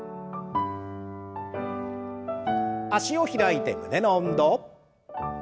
脚を開いて胸の運動。